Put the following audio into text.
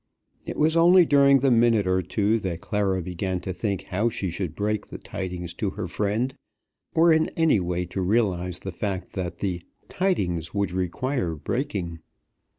It was only during the minute or two that Clara began to think how she should break the tidings to her friend, or in any way to realize the fact that the "tidings" would require breaking.